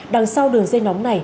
đằng sau đường dây nóng này